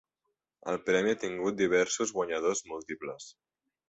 El premi ha tingut diversos guanyadors múltiples.